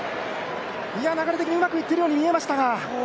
流れ的にうまくいっているように見えましたが。